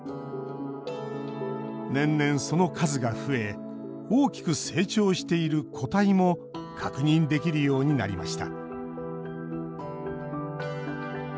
年々その数が増え大きく成長している個体も確認できるようになりました。